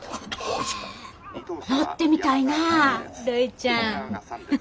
乗ってみたいなあるいちゃん。